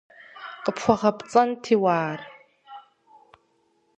КъыпхуэгъэпцӀэнти уэ ар!